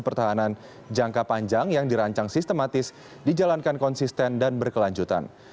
pertahanan jangka panjang yang dirancang sistematis dijalankan konsisten dan berkelanjutan